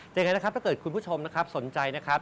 จะยังไงนะครับถ้าเกิดคุณผู้ชมสนใจนะครับ